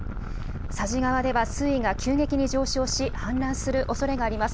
さじ川では水位が急激に上昇し、氾濫するおそれがあります。